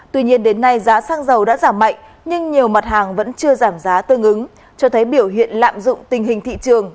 tuy nhiên đến nay giá xăng dầu đã giảm mạnh nhưng nhiều mặt hàng vẫn chưa giảm giá tương ứng